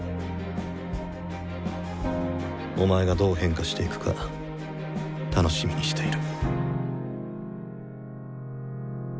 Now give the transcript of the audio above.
お前がどう変化していくか楽しみにしている。